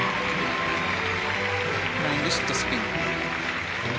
フライングシットスピン。